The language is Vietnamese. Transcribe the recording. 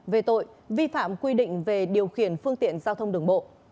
về tội vi phạm quy định về điều khiển phương tiện giao thông đường bộ